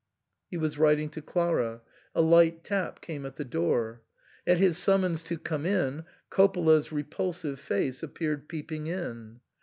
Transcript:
He was writing to Clara ; a light tap came at the door. At his summons to "Come in," Coppola's repulsive face appeared peeping in.